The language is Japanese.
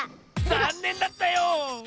ざんねんだったよ！